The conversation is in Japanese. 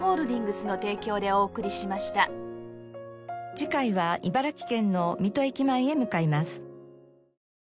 次回は茨城県の水戸駅前へ向かいます。